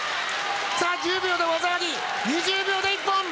１０秒で技あり２０秒で一本。